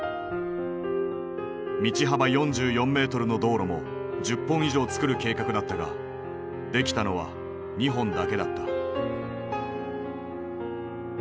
道幅４４メートルの道路も１０本以上つくる計画だったができたのは２本だけだった。